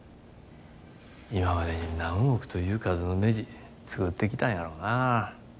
今までに何億という数のねじ作ってきたんやろなぁ。